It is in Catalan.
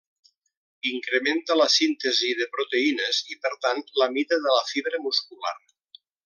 Incrementa la síntesi de proteïnes i per tant la mida de la fibra muscular.